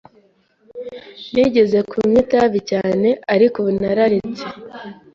Nigeze kunywa itabi cyane, ariko ubu nararetse.